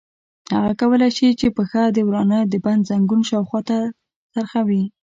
هغه کولای شي چې پښه د ورانه د بند زنګون شاوخوا ته څرخوي.